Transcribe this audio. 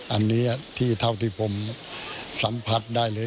อันนี้ที่เท่าที่ผมสัมผัสได้เลย